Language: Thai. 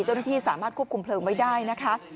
เจ้าหน้าที่สามารถควบคุมเพลิงไว้ได้นะคะ